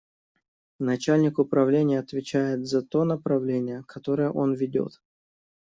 Начальник управления отвечает за то направление, которое он ведет.